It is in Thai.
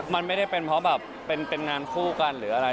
มันไม่ได้เป็นเพราะแบบเป็นงานคู่กันหรืออะไร